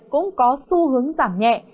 cũng có xu hướng giảm nhẹ